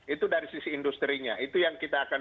itu dari sisi industri nya itu yang kita akan